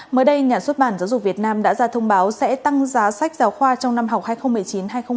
mới đây nhà xuất bản giáo dục việt nam đã ra thông báo sẽ tăng giá sách giáo khoa trong năm học hai nghìn một mươi chín hai nghìn hai mươi